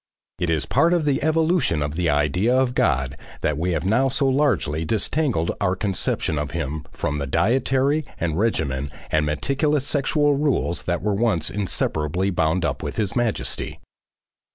... It is part of the evolution of the idea of God that we have now so largely disentangled our conception of him from the dietary and regimen and meticulous sexual rules that were once inseparably bound up with his majesty.